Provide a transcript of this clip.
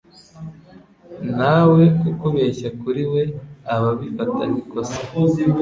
na we kukubeshya kuri we aba abifata nk'ikosa